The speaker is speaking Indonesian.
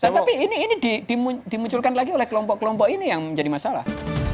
tapi ini dimunculkan lagi oleh kelompok kelompok ini yang menjadi masalah